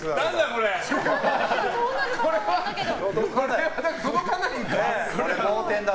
これは届かないんだ。